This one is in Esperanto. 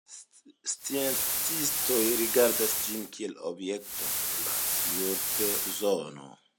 Aliaj sciencistoj rigardas ĝin kiel objekton de la Kujper-zono.